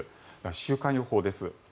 週間予報です。